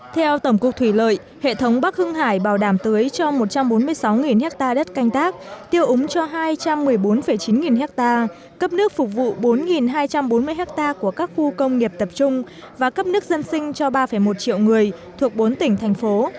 theo tổng cục thủy lợi hệ thống bắc hưng hải bảo đảm tưới cho một trăm bốn mươi sáu ha đất canh tác tiêu úng cho hai trăm một mươi bốn chín nghìn hectare cấp nước phục vụ bốn hai trăm bốn mươi ha của các khu công nghiệp tập trung và cấp nước dân sinh cho ba một triệu người thuộc bốn tỉnh thành phố